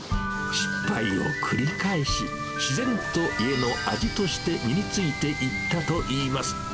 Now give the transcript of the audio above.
失敗を繰り返し、自然と家の味として身についていったといいます。